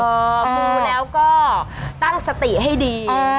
พอดูแล้วก็ตั้งสติให้ดี